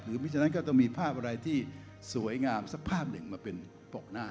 มิฉะนั้นก็ต้องมีภาพอะไรที่สวยงามสักภาพหนึ่งมาเป็นตกหน้า